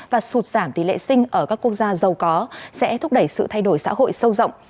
và sụt giảm tỷ lệ sinh ở các quốc gia giàu có sẽ thúc đẩy sự thay đổi xã hội sâu rộng